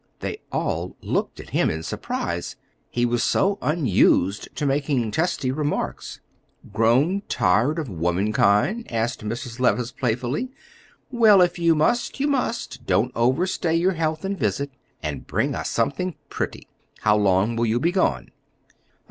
They all looked at him in surprise; he was so unused to making testy remarks. "Grown tired of womankind?" asked Mrs. Levice, playfully. "Well, if you must, you must; don't overstay your health and visit, and bring us something pretty. How long will you be gone?"